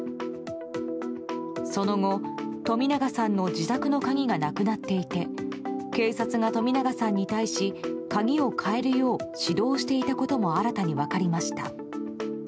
その後、冨永さんの自宅の鍵がなくなっていて警察が冨永さんに対し鍵を換えるよう指導していたことも新たに分かりました。